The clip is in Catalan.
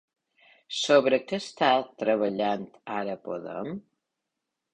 Sobre què està treballant ara Podem?